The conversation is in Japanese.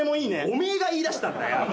お前が言いだしたんだよ。